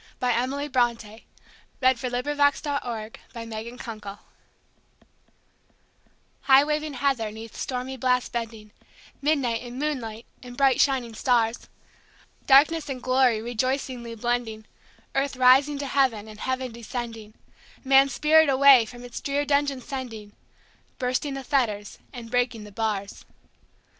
Emily Brontë High waving heather 'neath stormy blasts bending HIGH waving heather 'neath stormy blasts bending, Midnight and moonlight and bright shining stars, Darkness and glory rejoicingly blending, Earth rising to heaven and heaven descending, Man's spirit away from its drear dungeon sending, Bursting the fetters and breaking the bars.